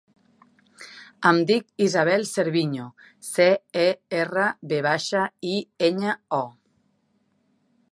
Em dic Isabel Cerviño: ce, e, erra, ve baixa, i, enya, o.